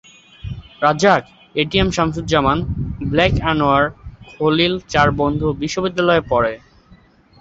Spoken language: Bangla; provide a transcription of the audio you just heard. রাজ্জাক, এটিএম শামসুজ্জামান, ব্ল্যাক আনোয়ার, খলিল চার বন্ধু বিশ্ববিদ্যালয়ে পড়ে।